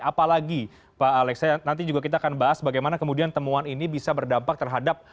apalagi pak alex nanti juga kita akan bahas bagaimana kemudian temuan ini bisa berdampak terhadap